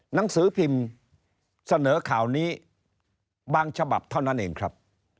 หนังสือพิมพ์เสนอข่าวนี้บางฉบับเท่านั้นเองครับ